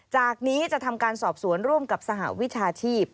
จากนี้จะทำการสอบสวนร่วมกับสหวิชาชีพ